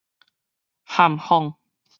譀仿